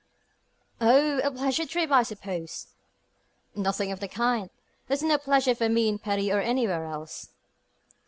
"Oh! a pleasure trip, I suppose." "Nothing of the kind. There's no pleasure for me in Paris or anywhere else."